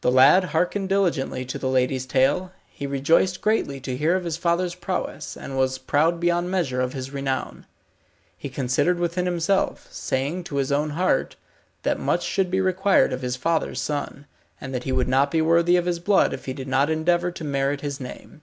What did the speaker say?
The lad hearkened diligently to the lady's tale. He rejoiced greatly to hear of his father's prowess, and was proud beyond measure of his renown. He considered within himself, saying to his own heart, that much should be required of his father's son, and that he would not be worthy of his blood if he did not endeavour to merit his name.